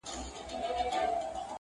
ښه دیقاسم یار چي دا ثواب او دا ګنا کوي.